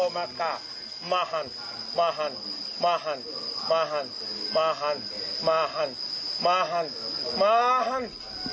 มาหันมาหัน